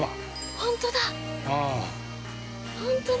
◆本当だ。